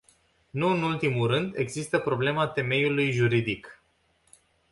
Nu în ultimul rând, există problema temeiului juridic.